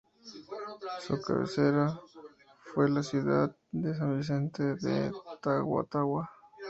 Su cabecera fue la ciudad de San Vicente de Tagua Tagua.